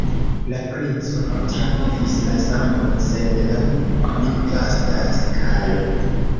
La princo travivis la samon, sed laŭ pli vasta skalo.